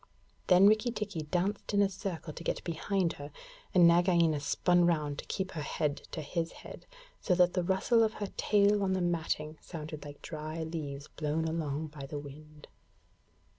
Then Rikki tikki danced in a circle to get behind her, and Nagaina spun round to keep her head to his head, so that the rustle of her tail on the matting sounded like dry leaves blown along by the wind.